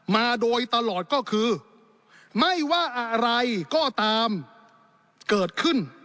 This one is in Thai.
มาโดยตลอดก็คือไม่ว่าอะไรก็ตามเกิดขึ้น